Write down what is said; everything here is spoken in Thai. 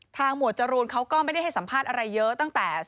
หมวดจรูนเขาก็ไม่ได้ให้สัมภาษณ์อะไรเยอะตั้งแต่